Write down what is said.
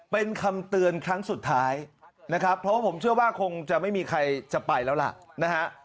เป็นคำเตือนครั้งสุดท้ายนะครับเพราะว่าผมเชื่อว่าคงจะไม่มีใครจะไปแล้วล่ะนะฮะ